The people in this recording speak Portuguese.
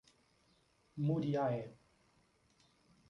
Muriaé